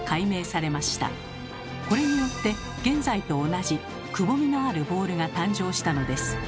これによって現在と同じくぼみのあるボールが誕生したのです。